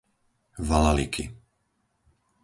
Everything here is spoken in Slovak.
Valaliky